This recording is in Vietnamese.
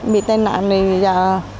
bị tai nạn thì giờ